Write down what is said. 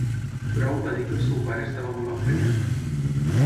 Brown va dir que el seu pare estava molt emprenyat.